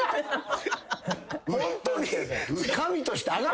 ホントに。